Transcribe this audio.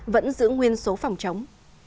vẫn giữ nguyên số phòng chống